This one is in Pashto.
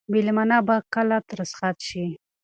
مېلمانه به کله رخصت شي؟